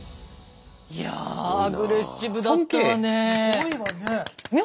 いやアグレッシブだったわね。